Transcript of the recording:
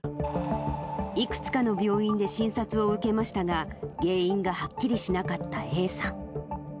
いくつかの病院で診察を受けましたが、原因がはっきりしなかったＡさん。